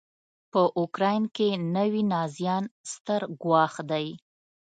په اوکراین کې نوي نازیان ستر ګواښ دی.